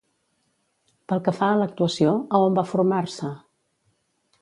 Pel que fa a l'actuació, a on va formar-se?